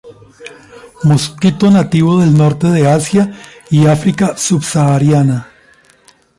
Mosquito nativo del norte de Asia, y África subsahariana.